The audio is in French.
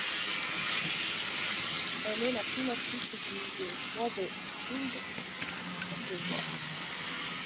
Elle est la fondatrice du musée Roybet Fould, à Courbevoie.